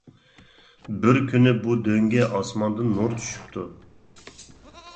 بىر كۈنى بۇ دۆڭگە ئاسماندىن نۇر چۈشۈپتۇ.